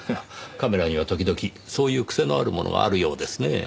カメラには時々そういう癖のあるものがあるようですねぇ。